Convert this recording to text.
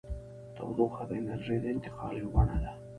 تودوخه د انرژۍ د انتقال یوه بڼه ده.